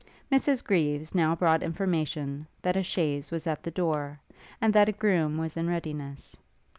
Mrs Greaves now brought information, that a chaise was at the door, and that a groom was in readiness.